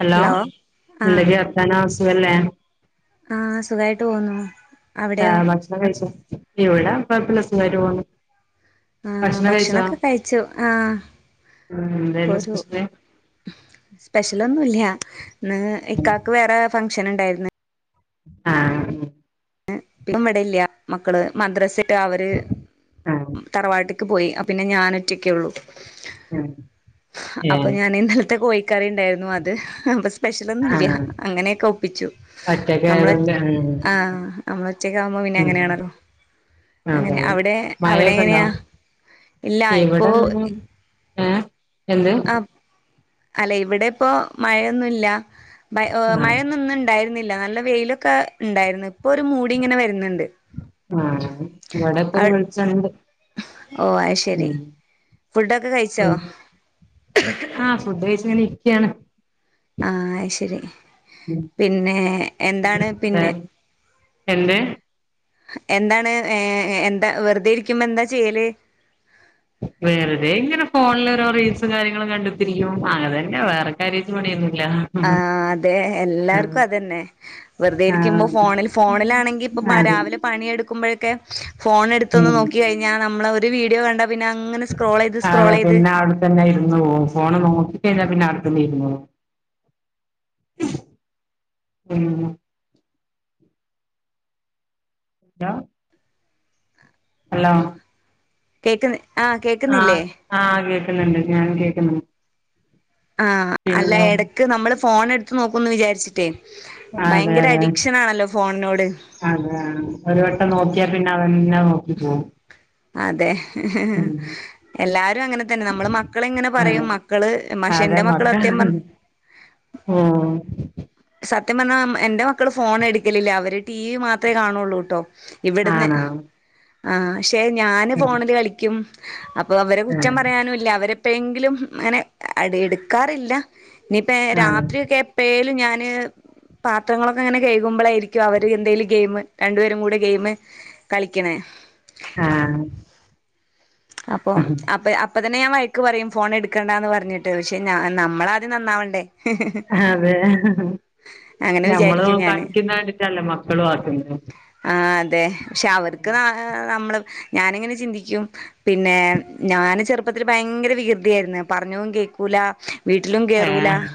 Hello എന്തൊക്കെ വർത്താനം സു സുഖല്ലേ ആ സുഖായിട്ട് പോവുന്നു അവിടെയോ ഇവിടൊപ്പ [unintelligible] ആ ഭക്ഷണൊക്കെ കഴിച്ചു ആ ഉം, ഇപ്പ എന്തായിരുന്നു ഒരു സ്പെഷ്യല് സ്പെഷ്യലൊന്നുംല്ല്യ പിന്നെ ഇക്കാ ക്ക് വേറെ ഫങ്ങ് ക്ഷണം ഉണ്ടായിരുന്നു ആ ടും ഇവിടെ ഇല്ല മക്കള് മദ്രാസയിൽ ട്ട അവര് ആഹ് തറവാട്ട് ക്കെ പോയി പിന്നെ ഞാനൊറ്റൊക്കെ ഉള്ളൂ ആഹ് അപ്പൊ ഏഹ് ഞാൻ ഇന്നലത്തെ കോയി കറി ഉണ്ടായിരുന്നു അത് ബസ് സ്പെഷ്യലൊന്നും ഇല്ല ആഹ് അങ്ങനെയൊക്കെ ഒപ്പിച്ചു ഒറ്റക്ക് നമ്മളെ ആയതുകൊണ്ട് ആഹ് ആ നമ്മളൊറ്റക് ആകുമ്പോ പിന്നെ ഉം അങ്ങനെയാണല്ലോ അങ്ങനെ അതെ അതെ അവിടെ അവിടെ മഴയൊക്കെ ഉണ്ടോ എങ്ങനെയാ ഇല്ല ഇപ്പോ ഇവിടെ ഇന്ന് ഏഹ് എന്ത് അല്ലെ ഇവിടെ ഇപ്പോ മഴയൊന്നും ഇല്ല ബൈ ഒ ആഹ് മഴന്നും ഇന്ന് ഇണ്ടായിരു [unintelligible] നല്ല വെയിലൊക്കെ ഉണ്ടായിരുന്നു ആ ഇവിടെ ഇപ്പരു അവി വെളിച്ചണ്ട് ഓ അത് ശരി ഉം ഫുഡൊക്കെ കഴിച്ചോ ആഹ് ഫുഡ് കഴിച് ഇങ്ങനെ ഇരിക്കാണ് ആ ശരി പിന്നെ എന്താണ് പിന്നെ എന്ത് എന്താണ് ഏ എന്താ വെറുതെ ഇരിക്കുമ്പോ എന്താ ചെയ്യല് വെറുതെ ഇങ്ങനെ ഫോണിൽ ഓരോ റീൽസും കാര്യങ്ങളും കണ്ട് കണ്ട് ഇരിക്കും അങ്ങനെന്നെ വേറെ കാര്യായിട്ട് പണിയൊന്നും ആഹ് അതെ എല്ലാർക്കും അതന്നെ വെറുതെ ഇരിക്കുമ്പോ ആഹ് ഫോണിൽ ഫോണിലാണെങ്കി ഇപ്പൊ പ്പ അതെ രാവിലെ പണിയെടുക്കുമ്പോളൊക്കെ ഫോൺ എടുത്തൊന്ന് ഉം നോക്കി കഴിഞ്ഞാ നമ്മള് [unintelligible] വീഡിയോ കണ്ടാ പിന്നെ അങ്ങനെ സ്ക്രോൾ ചെയ്ത് സ്ക്രോൾ അതെ ചെയ്ത് പിന്നെ അവിടെത്തന്നെ ഇരുന്ന് പോവും ഫോണ് നോ ചെയ്ത പിന്നെ അവിടെ തന്നെ ഇരുന്നോളും മ് ഹലോ ഹലോ കേക്ന്ന് ആ ആ കേൾ കുന്നുണ്ട് നാനും കേൾക്കുന്നു ആ അല്ല എടക്ക് നമ്മള് ഫോ ഫോൺ എടുത്ത് നോക്കുന്നു വിചാരിച്ചിട്ടേ അതെ ഭയങ്കര അതെ അഡിക്ഷൻാണല്ലോ ഫോണിനോട് അതെ ഒരു വട്ടം നോക്കിയാൽ പിന്നെ അതന്നെ നോക്കി പോകും അതെ എല്ലാരും അങ്ങനെ തന്നെ നമ്മള് മക്കളെ ഇങ്ങനെ അതെ പറയും മക്കള് പക്ഷെ അതെ എന്റെ മക്കൾ മക്ക സത്യം പറ ഓഹ് സത്യം പറഞ്ഞാൽ എന്റെ മക്കൾ ഫോൺ എടുക്കലില്ല അവർ ടി വി മാത്രമേ കാണുള്ളൂ ട്ടോ ഇവിടുന്ന് ആണോ ആഹ് ഞാന് ഫോണില് കളിക്കും അപ്പ അവരെ കുറ്റം ആഹ് പറയാനുല്ല അവരെ എപ്പഴെങ്കിലും അങ്ങനെ അട എടുക്കാറില്ല ഇനിയിപ്പ ആഹ് രാത്രി ഒക്കെ എപ്പഴേ ല്ല ഞാൻ ങ്ങനെ പാത്രങ്ങളൊക്കെ അങ്ങനെ കഴകുമ്പോളായിരിക്കും അവര് എന്തെലും ഗെയിമ് രണ്ടുപേരും കൂടെ ഗെയിമ് കളിക്കണേ ആഹ് അപ്പൊ അപ്പ അപ്പ തന്നെ ഞാൻ വഴക്ക് പറയും ഫോൺ എടുക്കണ്ടാന്ന് പറഞ്ഞിട്ട് പക്ഷെ ഞാ നമ്മള് ആദ്യം നന്നാവണ്ടേ അതെ അങ്ങനെ ഞമ്മള് വിചാരിക്കും ഞാന് കാണിക്കുന്ന കണ്ടിട്ടല്ലേ മക്കളും ആക്കുന്നത് ആ അതെ പക്ഷെ അവർക്ക് ന നമ്മള് ഞാനിങ്ങനെ ചിന്തിക്കും പിന്നെ ഞാന് ചെറുപ്പത്തില് ഭയങ്കര വികൃതിയായിരുന്നു പറഞ്ഞും കേൾക്കൂല വീട്ടിലും കേറൂല ഏഹ്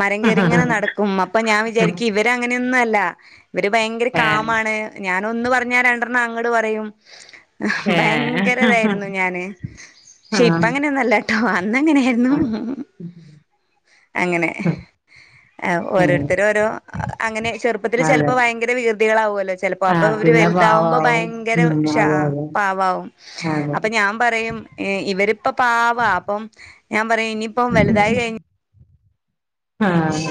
മരം കയറിങ്ങനെ നടക്കും അപ്പൊ ഞാൻ വിചാരിക്കും ഇവരങ്ങനെ ഇന്നല്ല ഇവര് ഭയങ്കര ഏഹ് കാമാണ് ഞാൻ ഒന്ന് പറഞ്ഞാ രണ്ടെണ്ണം അങ്ങട് പറയും ഏഹ് ഭയങ്കര വേ ന്നു ഞാന് പക്ഷെ ഇപ്പ ആഹ് അങ്ങനെന്നൊല്ല ട്ടോ അന്നങ്ങനെയായിരുന്നു അങ്ങനെ ആ ഉം ഓരോരുത്തരും ഓരോ അങ്ങനെ ചെറുപ്പത്തില് അതെ ചെലപ്പോ ഭയങ്കര വികൃതികളാവല്ലോ ചെലപ്പോ അപ്പൊ ആഹ് ഇര് പിന്നെ വലുതാവുമ്പോ പാവാവും ഭയങ്കര ഉം ഉഷാ അതെ അതെ പാവാവും അതെ ആഹ് അപ്പൊ ഞാൻ പറയും ഇവരിപ്പൊ പാവാ അപ്പം ഞാൻ പറയും ഇനിയിപ്പ വലുതായി കഴിഞ്ഞു ആഹ്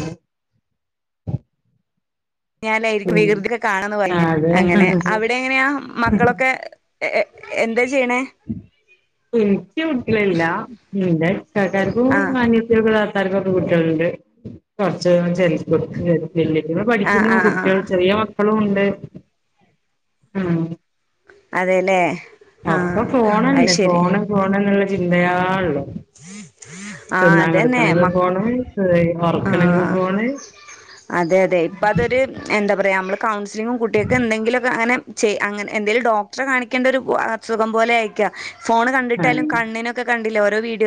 ഞാനായിരിക്കും ഉം വികൃതിയൊക്കെ കാണന്ന് പറഞ്ഞ് അങ്ങനെ അതെ അവിടെ എങ്ങനെയാ മക്കളൊക്കെ എ എ എന്താ ചെയ്യണേ [inaudible] ൻക്ക് കുട്ടികളില്ല ആഹ് ത്താര്ക്കൊക്കെകുട്ടികൾുണ്ട് കൊറച്ച് [unintelligible] വല്യയ്റ്റള് ആഹ് പഠിക്കുന്നു ആഹ് ആഹ് കുട്ടികൾ ചെറിയ മി പ്പളും ഉണ്ട് ഉം അതേല്ലേ ഒക്കെ ഫോണല്ലേ? ഫോണ് ഫോണേ ചിന്തയ്യാള്ളു. തിന്നാ കെട്ക്കണെങ്കിൽ ഫോണ് വേണം. ഈഹ് ആ. അതെ അതെ, ഇപ്പതൊരു എന്താ പറയാ അമ്മള് കൗൺസ് ലിങ്ങും കുട്ട്യേക്കെന്തെങ്കിലൊക്കെ അങ്ങനെ ചെയ്യ് അങ്ങനെ, എന്തേലും ഡോക്ടറെ കാണിക്കേണ്ടൊരു അസുഖം പോലെ ആയിരിക്കാ ഫോണ് കണ്ടിട്ടായാലും കണ്ണിനൊക്കെ കണ്ടില്ലേ ര വീട്ട്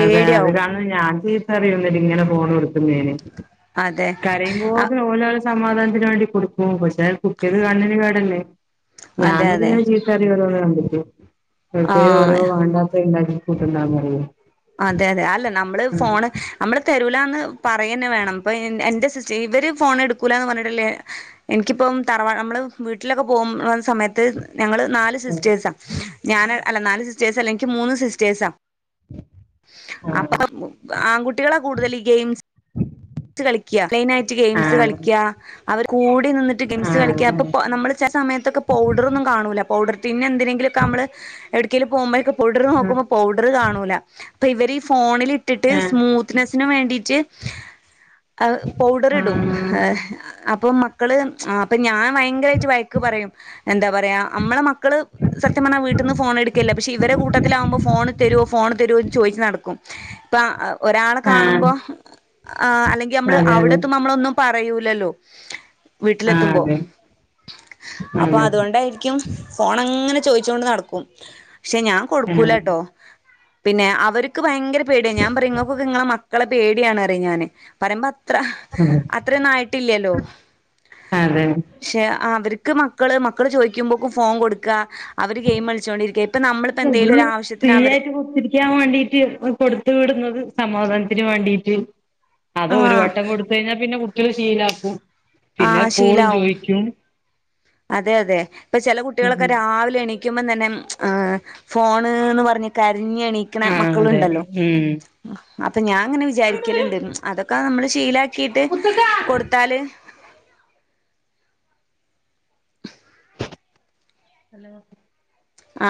അതെ അത് കാണ്ന്ന ഞാൻ ചീത്തറിയും ഇവരിങ്ങനെ ഫോണ് വിളി ക്ക്ന്നേന് അതെ അ കരയുമ്പോത്തിന് ഓല സമാധാനത്തിന് വേണ്ടി കൊടുക്കും. പക്ഷേ കുട്ടിയേക്ക് കണ്ണിന് കേടല്ലേ? ഞാൻ അതെ അതെ ഇതിങ്ങനെ ചീത്തറയും [unintelligible] [unintelligible] വെർതേ ആഹ് ഓരോ വാണ്ടാത്ത ഇണ്ടാക്കി [unintelligible] റിയോ? അതെ അതെ അല്ല നമ്മള് ഫോണ് നമ്മള് തരൂൽ ല്ലാന്ന് പറയന്ന വേണം. ഇപ്പ എന്റെ സിച്ച് ഇവര് ഫോണ് എടുക്കൂല്ലാന്ന് പറഞ്ഞിട്ടില്ലേ എനിക്കിപ്പം തറവാ നമ്മള് വീട്ടിലൊക്കെ പോന്ന സമയത്ത് ഞങ്ങള് നാല് സിസ്റ്റേഴ്സാ. ഞാന് അല്ല നാല് സിസ്റ്റേഴ്സല്ല. ഇനിക്ക് മൂന്ന് സിസ്റ്റേഴ്സാ. അപ്പ, ആഹ് ആൺകുട്ടികളാ കൂടുതലീ ഗെയിംസ് റ്റ് കളിക്കാ. ക്ലെയ്മായിറ്റ് ഗെയിംസ് കളിക്കാ അവര് കൂട് ട് നിന്നിട്ട് ഗെയിംസ് കളിക്കാ. ആഹ് അപ്പപ്പോ നമ്മള് ചെല സമയത്തൊക്കെ പൗഡറൊന്നും കാണൂല്ല. പൗഡർ പിന്നെന്ത്‌ ന്തിങ്കിലൊക്കെ അമ്മള് ഏട്ക്കേലും പോമ്പഴേക്കും പൗഡറു നോക്കുമ്പോ പൗഡറു കാണൂല്ല ഇപ്പവരീ ഫോണി ലിട്ടിട്ട് ആഹ് ആഹ് സ്മൂത്ത്നെസ്സിന് വേണ്ടീട്ട് ഔ പൗഡറിടും. ഹാ ആഹ് അപ് പ്പം മക്കള്, അപ്പൊ ഞാ ഭയങ്കരായിട്ട് വയക്ക് പറയും എന്താ പറയാ നമ്മടെ മ മക്കള് സത്യം പറഞ്ഞാൽ വീട്ടീന്ന് ഫോൺ എടുക്കില്ല. പക്ഷേ ഇവരുടെ കൂട്ടത്തിലാവുമ്പോ ഫോൺ തരോ ഫോൺ തരോ ചോദിച്ച് നടക്കും ഇപ്പ ഒരാളു ആഹ് ആഹ് കാണുമ്പോ ആ അല്ലെങ്കി നമ്മള് അതെ അതെ അവിടത്തുമ്പം നമ്മളൊന്നും പറ കഴിയൂലല്ലോ ആഹ് വീട്ടിലെത്തുമ്പോ അതെ അപ്പൊ അതെ അതുകൊണ്ടായിരിക്കും ഫോൺ അങ്ങനെ ചോയിച്ചു കൊണ്ട് നടക്കും പക്ഷെ ഞാൻ ആഹ് കൊടുക്കൂലട്ടോ പിന്നെ അവരക്ക് ഭയങ്കര പേടിയാ ഞാൻ പറയും നിങ്ങക്കൊക്കെ നിങ്ങളാ മ മക്കളേ പേടിയാണ് [unintelligible] ഞാന് പറയമ്പ അത്ര അതെ അത്രന്നായിട്ടില്ലല്ലോ അതെ ക്ഷെ ആ അവര് ക്ക് മക്കള് മക്കള് ചോദിക്കുമ്പോക്കും ഫോൺ കൊടുക്കാ ഒരു [unintelligible] ആവശ്യത്തിന് അവര് ഫ്രീയായിട്ട് [unintelligible] ഇരിക്കാൻ വേണ്ടീട്ട് കൊടുത്ത് വിടുന്നത് സമാധാനത്തിന് വേണ്ടീട്ട് അത് ഒരു ആഹ് വട്ടം കൊടുത്ത് കഴിഞ്ഞാൽ പിന്നെ എനിക്കൊരു ശീലാക്കും പിന്ന ആഹ് എപ്പോഴും ശീലാവും ചോയിക്കും അതെ അതെ ഇപ്പൊ ചെല കുട്ടികളൊക്കെ രാവിലെ എണീ കുമ്പോൾ തന്നെ ആഹ് ഫോൺന്ന് പറഞ്ഞ് കര [unintelligible] എണീക്കണ ആഹ് അതെ മക്കളുണ്ടല്ലോ ഉം ഇപ്പ ഞാങ്ങനെ വിചാരിക്കലുണ്ട് അതൊക്കെ നമ്മള് ശീല കേട്ടു മുത്തക്കാ കൊടുത്താല് ഹലോ ആ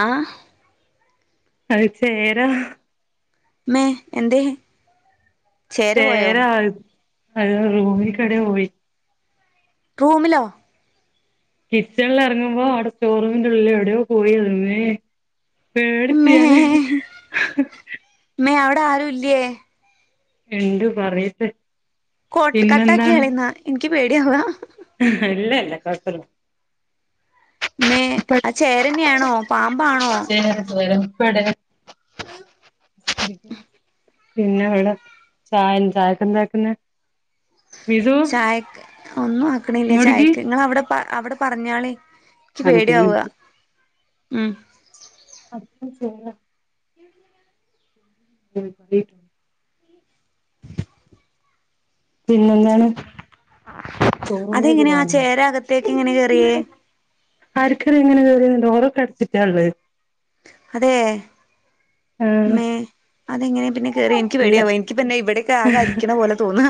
അത് ചേരാ മ്മേ എന്തേ ചേര [unintelligible] ഒരു റൂമികൂടെ പോയി റൂമിലോ കിച്ചണില് എർങ്ങുമ്പോ അവിടെ സ്റ്റോറൂമിന്റെ ഉള്ളില് എവിടെയോ പോയത് ഇമ്മേ മ്മേ പേടിച്ച് ഞാന് ടാരുല്യേ ഇണ്ട് പറയട്ട കൊട്ട് കട്ടാക്യാണി ന്ന ഇൻ ക് പേടിയാവ [unintelligible] മേ ആ ചേരന്യാണോ പാമ്പാണോ വെടെ പിന്നെ വ [unintelligible] ചായിൻ ചായക്കെന്താക്കുന്നേ ചായക്ക് ഒന്നും ആക്ക്ണില്ല ഇങ്ങോട്ടേക്ക് ചായക്ക് ഇങ്ങളെ അവിടെ പ അവിടെ പറഞ്ഞാളി ക്ക് പേട്യാവ ഉം [unintelligible] പിന്നെന്താണ് അതെങ്ങനെയാ ആ ചേര അകത്തേക്ക് ഇങ്ങനെ കേറിയേ [unintelligible] ആര്ക്കറിയ എങ്ങനെ കേറിയേ ഡോറൊക്കെ അട്ച്ചിട്ടാ ള്ളേ അതെ ആഹ് മേ അതെങ്ങനെ പിന്നെ കേറി ഇൻക്ക് ഇല്ല പേട്യാവ ഇൻക്ക് പിന്നെ ഇബടെക്കെ ആകെ അരിക്കണ പോലെ തോന്ന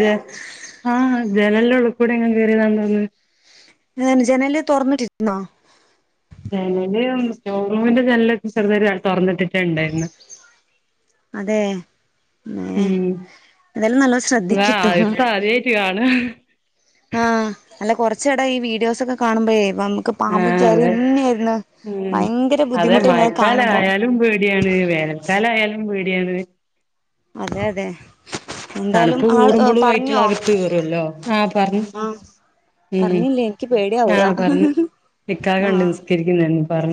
ജ ആഹ് ജനലിന്റെ ഉള്ളി കൂടെ ങ്ങനെ കേറിയതാതോന്ന് ഏ തന്നെ ജനല് തൊർന്നിട്ടിരുന്നോ ജനല് സ്റ്റോർറൂമിന്റെ ജനല് ചെറുതായിട്ട് തൊർന്നിട്ടി ട്ട്ണ്ടായിര്ന്ന് അതെ മ്മേ ഉം ഏതായാലും നല്ലോം താ ശ്രദ്ധിക്കിട്ടോ അകത്താദ്യായിട്ട് കാ ഹ് ആ അല്ല കൊർച്ചെടായി ഈ വീഡിയോസ് ഒക്കെ കാണുമ്പഴേ നമുക്ക് ആ പാമ്പും അതെ ചേരന്നെയായിരുന്നു ഉം ഭയങ്കര അതെ ബുദ്ധിമുട്ടേനി അത് കാണുമ്പോ മഴക്കാലയാലും പേട്യാണ് വേനൽക്കാലയാലും പേടി ടിയാണ് അതെ യതെ തണ്പ്പ് കൂടുമ്പളും അയ്റ്റള് അകത്ത് കേറൊല്ലോ ആ പർഞ്ഞ് ആഹ് ഉം പറഞ്ഞില്ലേ എനിക്ക് ആ പേടിയാവുക പറഞ്ഞ് ഇക്കാക്ക ണ്ട് ആഹ് നിസ്കരിക്കുന്നെ പർ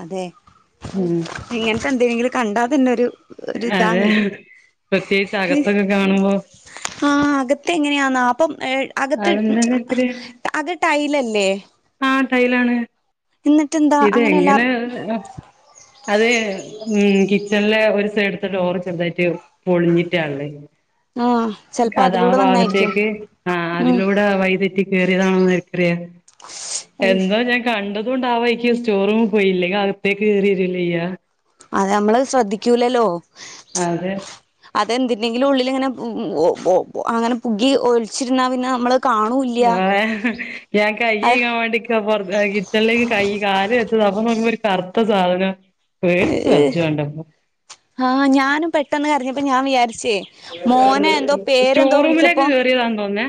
അതെ ഇങ്ങനത്തെ ന്തെങ്കിലും കണ്ടാ തന്നൊരു അതെ പ്രത്യേകിച്ച് അകത്തൊക്കെ കാണുമ്പോ ഏ അകത്ത് അതെന്താന്നൊക്കൊരു അകം ടൈലല്ലെ ആഹ് ടൈലാണ് എന്നിട്ടന്താ ഇത് അങ്ങനെ എല്ലാം എങ്ങനെ അത് ഉ കിച്ചൺ ലെ ഒരു സൈഡടുത്തെ ടൂർ ചെറുതായിട്ട് പൊളിഞ്ഞിട്ടാ ഉള്ളത് ആഹ ചെൽപ്പോ അതിലൂടെ വന്നായിരിക്കും ആ ഉം അതിലൂടെ വൈതെറ്റി കേയറിയതാണോ ആർക്കറിയാം എന്താ ഞാൻ കാ കണ്ടതോണ്ടവായിക്കും സ്റ്റോർറൂമിൽ പോയി ഇല്ലെങ്കിൽ അകത്തേക്ക് കേറി വരുവലാ ചെയ്യ അതെ നമ്മള് ശ്രദ്ധിക്കൂലല്ലോ അതെ അതെന്തിണ്ടെങ്കിലും ഉള്ളില ഇങ്ങനെ ഉ ഒ ഒ അങ്ങനെ പുകി ഒളിച്ചിരുന്നാൽ പിന്നെ നമ്മള് കാണൂല്ല ആ ഞാൻ കൈ അഹ് കഴുകാൻ വേണ്ടി പുറ കിച്ചണിലേക്ക് കൈ കാല് എ തുറന്ന കുമ്പം കറത്ത സാധനം പേടിച്ചു ഏ വിറച്ചു കണ്ടപ്പോ ആഹ് ഞാനും പെട്ടെന്ന് അറിഞ്ഞപ്പ ഞാൻ വിചാരിച്ച് [inaudible] മോനെ എന്തോ സ്റ്റോർ പേരെന്തോ റൂമിലേക്ക് വിളിച്ചപ്പോ കേറിയതാന്ന് തോന്നുന്നേ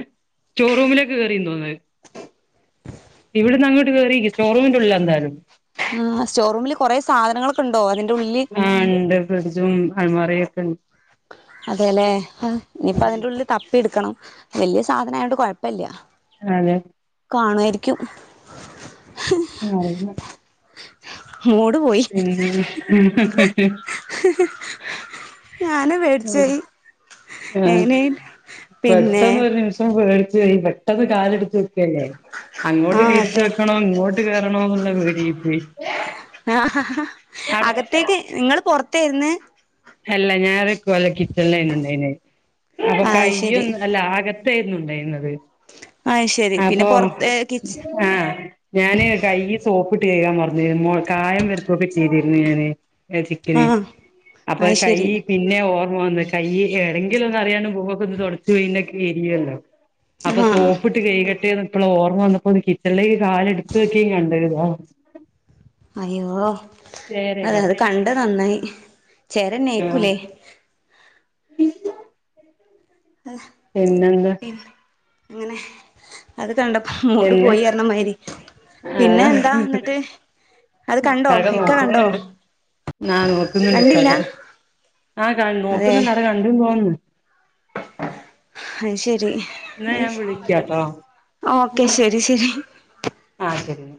സ്റ്റോർ റൂമിലെക്ക് കേയറിന്ന് തോന്നുന്നത് ഇവിടന്ന് അങ്ങോട്ട് കേറി രിക്ക് സ്റ്റോറൂമിന്റെ ഉള്ളിൽ എന്തായാലും കുറെേ സാധനങ്ങൾ ഒകെ ഉണ്ടോ അതി ആ ണ്ട് ഫ്രിഡ്ജും അൽമാറയൊക്കെണ്ട് അതെല്ലെ ഇനിയിപ്പോ അതിന്റെ ഉള്ളിൽ തപ്പി എടുക്കണം വല്യ സാധനായോണ്ട് കുഴപ്പല്യ അതെ കാണായിരിക്കും ആ അതന്നെ മൂട് പോയി ഉ ഞാന് പേടിച്ചോയി ആ എങ്ങനെ [inaudible] പിന്നെ പെട്ടെന്ന് ഒരു നിമിഷം പേടി [inaudible] പെട്ടെന്ന് കാല് എടുത്ത് വെക്കല്ലേ അങ്ങോട്ട് ആഹ് തിരിച്ച് അതെ വെക്കണോ ഇങ്ങോട്ട് കേർ [unintelligible] ആഹ അകത്തേക്ക് നിങ്ങള്പുറ അകത്താ രന്ന് അല്ല ഞാറ് വല്ല കിച്ചൺലേയ്ര്ന്ന്ണ്ടായിരുന്ന് അപ്പൊ അത് ശരി കയ്യൊന്ന് അല്ല അകത്ത് പ്പയിരുന്നുണ്ടായിുന്നത് അത് ശരി പിന്നെ അപ്പൊ പൊറത്ത് കിച്ച് ആഹ ഞാന് കയ്യ് സോപ്പിട്ട് തെയ്യമാർ ദേവിമോൾ കായം വെറുക്കുക്കെ ചെയ്തി ന്ന്ങ്ങനെ ഏ ചിക്കന് ആഹ് പ്പഹ് അത് കൈ ശരി പിന്നെ ഓ ഓർമ്മ വന്ന് കൈ ഏടെങ്കിലൊന്ന് അറിയണ്ട് മുഖൊക്കെ ഒന്ന് തൊടച്ച് വിന്നെ ക്കെ എരിയല്ലോ അപ്പൊ ആഹ് സോപ്പിട്ട് കൈകട്ടെന്ന് ഇപ്പള ഓ [unintelligible] വന്നപ്പോത് കിച്ചൺലേക്ക് കാല് എടുത്ത് വെക്കേ കണ്ടര് അയ്യോ അതെ അത് കണ്ട നന്നായി ചേര ആഹ് നേക്കൂലേ [unintelligible] അഹ് പിന്നെന്താ ഇ അങ്ങനെ അത് കണ്ടപ്പോ മൂട് എന്ത് പോയി പറഞ്ഞമാതിരി ആ പിന്നെ എന്താ എന്നിട്ട് അത് കണ്ടോ ഒട്ടാകെ ഇക്ക കണ്ടോ നോക്കുന്നേള്ളൂ ന്ന നോക്കുന്നുണ്ട് കണ്ടില്ല ഇത്താത ആ കാൺ നോക്കുന്നുണ്ട് അടെ കണ്ട് തോന്നുന്നു അഹ് ശരി എന്നാ അയ് ഞാൻ വിളിക്കാട്ടോ ഓ ഓക്കെ ശരി ശരി ആ ശരി